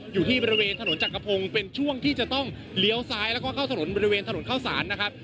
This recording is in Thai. อยู่ที่บริเวณถนนจักรพงศ์เป็นช่วงที่จะต้องเลี้ยวซ้ายแล้วก็เข้าถนนบริเวณถนนเข้าสารนะครับ